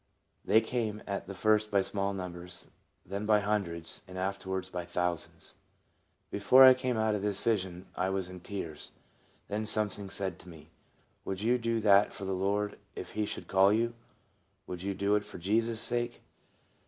They came at the first by small numbers, then by hundreds, and afterwards by thousands. Before I came out of this vision I was in WORK FOR THE MASTER. 63 tears. Then something said to me, u Would you do that for the Lord if he should call you? Would you do it for Jesus' sake?"